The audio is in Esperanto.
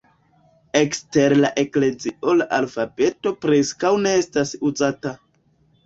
Ekster la eklezio la alfabeto preskaŭ ne estas uzata.